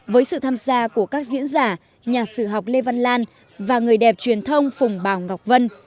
với sự tham gia của các diễn giả nhà sử học lê văn lan và người đẹp truyền thông phùng bào ngọc vân